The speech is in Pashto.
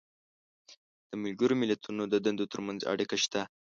د ملګرو ملتونو د دندو تر منځ اړیکه شته.